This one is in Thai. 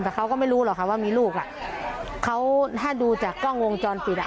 แต่เขาก็ไม่รู้หรอกค่ะว่ามีลูกอ่ะเขาถ้าดูจากกล้องวงจรปิดอ่ะ